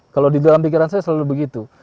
kalau di dalam pikiran saya selalu begitu